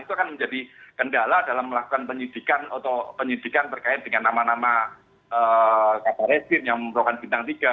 itu akan menjadi kendala dalam melakukan penyidikan atau penyidikan berkait dengan nama nama kata resim yang membutuhkan bintang tiga